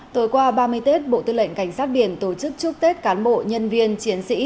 tối qua ba mươi tết bộ tư lệnh cảnh sát biển tổ chức chúc tết cán bộ nhân viên chiến sĩ